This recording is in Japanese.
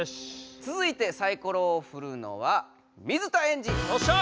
つづいてサイコロをふるのは水田エンジ！よっしゃ！